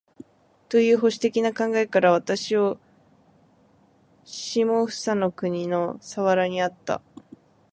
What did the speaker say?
という保守的な考えから、私を下総国（千葉県）の佐原にあった